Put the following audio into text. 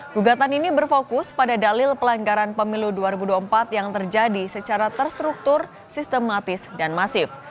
gugatan ini berfokus pada dalil pelanggaran pemilu dua ribu dua puluh empat yang terjadi secara terstruktur sistematis dan masif